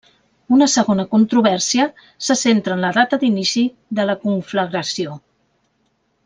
Una segona controvèrsia se centra en la data d'inici de la conflagració.